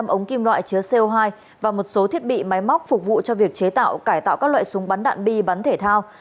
ba trăm sáu mươi năm ống kim loại chứa co hai và một số thiết bị máy móc phục vụ cho việc chế tạo cải tạo các loại súng bắn đạn bi bắn thể thao